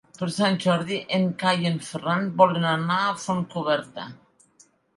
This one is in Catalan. Per Sant Jordi en Cai i en Ferran volen anar a Fontcoberta.